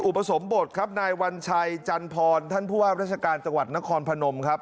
อุปสมบทครับนายวัญชัยจันทรท่านผู้ว่าราชการจังหวัดนครพนมครับ